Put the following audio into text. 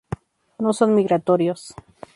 No son migratorios.